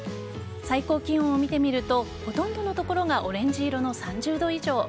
最高気温を見てみるとほとんどの所がオレンジ色の３０度以上。